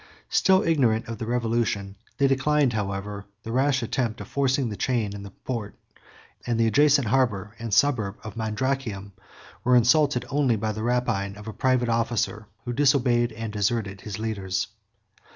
Still ignorant of the revolution, they declined, however, the rash attempt of forcing the chain of the port; and the adjacent harbor and suburb of Mandracium were insulted only by the rapine of a private officer, who disobeyed and deserted his leaders.